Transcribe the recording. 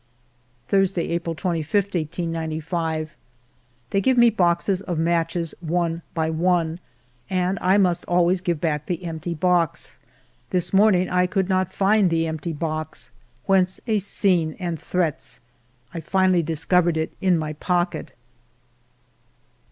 Thursday^ April 25, 1895. They give me boxes of matches one by one, and I must always give back the empty box. This morning I could not find the empty box, whence a scene and threats. I finally discovered it in my pocket.